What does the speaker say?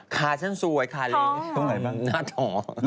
ขาชั้นสวยค่ะหน้าถอน